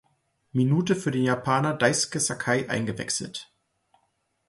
Minute für den Japaner Daisuke Sakai eingewechselt.